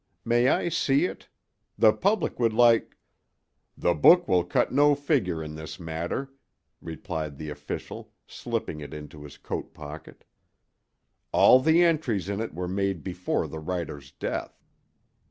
May I see it? The public would like—" "The book will cut no figure in this matter," replied the official, slipping it into his coat pocket; "all the entries in it were made before the writer's death."